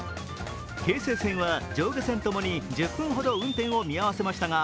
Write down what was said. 京成線は上下線ともに１０分ほど運転を見合わせましたが、